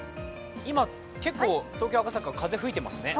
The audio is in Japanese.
今、結構、東京・赤坂、風が吹いていますね。